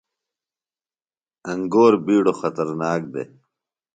انگور بِیڈو خطرناک دےۡ۔